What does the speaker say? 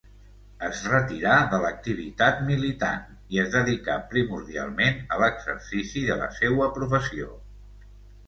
Es retirà de l'activitat militant i es dedicà primordialment a l'exercici de la seua professió.